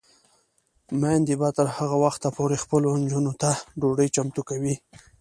میندې به تر هغه وخته پورې خپلو نجونو ته ډوډۍ چمتو کوي.